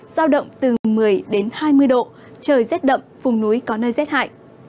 giao động từ một mươi đến hai mươi độ trời rét đậm vùng núi có nơi rét hại